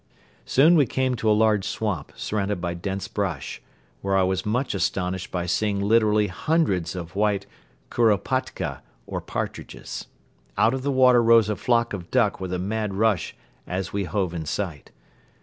Soon we came to a large swamp surrounded by dense brush, where I was much astonished by seeing literally hundreds of white kuropatka or partridges. Out of the water rose a flock of duck with a mad rush as we hove in sight.